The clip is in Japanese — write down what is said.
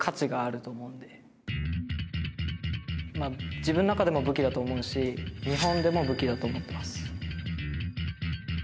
自分の中でも武器だと思うし日本でも武器だと思っています。